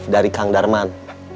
dari kang darman